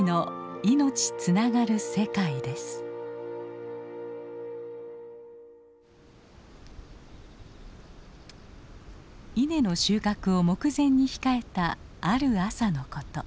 稲の収穫を目前に控えたある朝のこと。